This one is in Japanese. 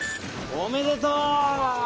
おめでとう！